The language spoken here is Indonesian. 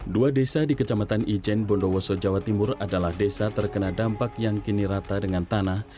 dua desa di kecamatan ijen bondowoso jawa timur adalah desa terkena dampak yang kini rata dengan tanah